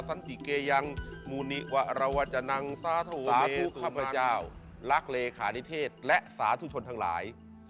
สาธุข้าพเจ้ารักเลขาลิเทศและสาธุชนทั้งหลาย